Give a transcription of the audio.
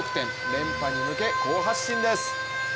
連覇に向け好発進です。